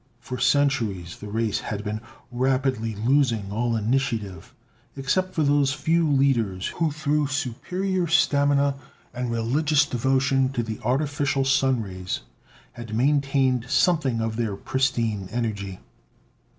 For centuries the race had been rapidly losing all initiative, except for those few leaders who, through superior stamina and religious devotion to the artificial sun rays, had maintained something of their pristine energy.